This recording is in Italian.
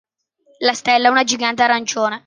La stella è una gigante arancione.